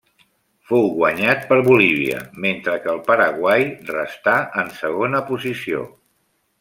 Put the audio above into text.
Fou guanyat per Bolívia, mentre que el Paraguai restà en segona posició.